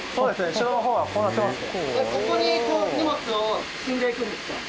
後ろの方はこうなってますね。